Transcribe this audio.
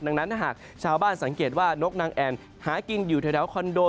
ดังนั้นถ้าหากชาวบ้านสังเกตว่านกนางแอ่นหากินอยู่แถวคอนโด